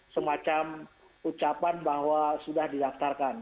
semacam ucapan bahwa sudah didaftarkan